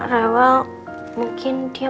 rewel mungkin dia